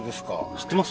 知ってます？